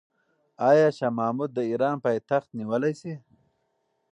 آیا شاه محمود د ایران پایتخت نیولی شي؟